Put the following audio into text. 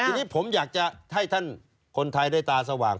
ทีนี้ผมอยากจะให้ท่านคนไทยได้ตาสว่าง